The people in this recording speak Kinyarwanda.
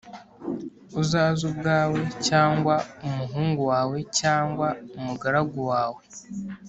Uzaze ubwawe cyangwa umuhungu wawe cyangwa umugaragu wawe